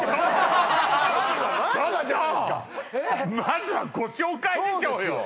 まずはご紹介でしょうよ